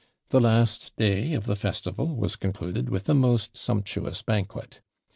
The last day of the festival was concluded with a most sumptuous banquet.